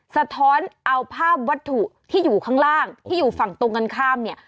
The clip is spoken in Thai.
สะท้อนเอาภาพวัตถุที่อยู่ข้างล่างที่อยู่ฝั่งตรงกันข้ามเนี่ย